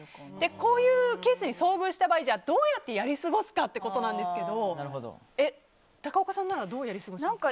こういうケースに遭遇した場合どうやってやり過ごすかですけど高岡さんならどうやり過ごしますか？